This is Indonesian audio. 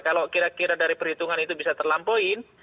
kalau kira kira dari perhitungan itu bisa terlampauin